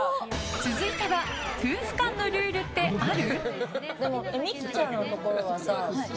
続いては夫婦間のルールってある？